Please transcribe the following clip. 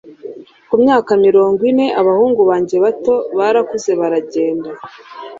Ku myaka mirongo ine abahungu banjye bato barakuze baragenda